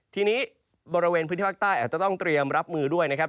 ทีนี้บริเวณพื้นที่ภาคใต้อาจจะต้องเตรียมรับมือด้วยนะครับ